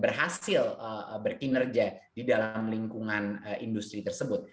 berhasil berkinerja di dalam lingkungan industri tersebut